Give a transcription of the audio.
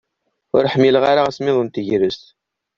Ur ḥmmileɣ ara asemmiḍ n tegrest.